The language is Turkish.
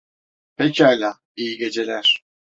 Pekâlâ, iyi geceler.